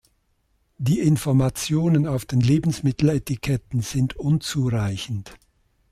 Die Informationen auf den Lebensmitteletiketten sind unzureichend.